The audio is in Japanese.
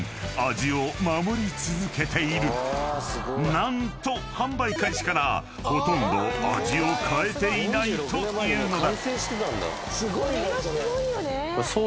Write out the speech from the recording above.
［何と販売開始からほとんど味を変えていないというのだ］